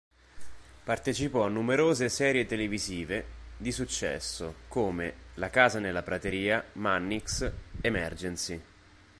Partecipò a numerose serie televisive di successo come "La casa nella prateria", "Mannix", "Emergency!